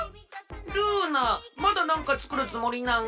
ルーナまだなんかつくるつもりなん？